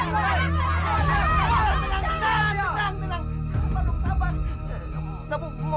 perehat perehat kayak orang nggak punya aturan aja